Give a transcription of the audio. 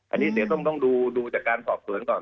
อันนี้เดี๋ยวต้องดูจากการสอบสวนก่อน